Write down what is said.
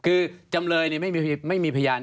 คือจำเลยไม่มีพยาน